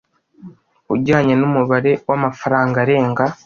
ujyanye n umubare w amafaranga arenga